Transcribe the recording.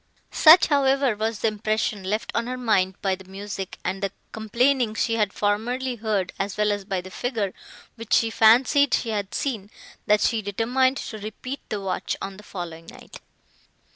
Such, however, was the impression, left on her mind by the music, and the complaining she had formerly heard, as well as by the figure, which she fancied she had seen, that she determined to repeat the watch, on the following night.